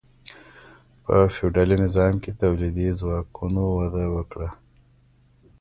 په فیوډالي نظام کې تولیدي ځواکونو وده وکړه.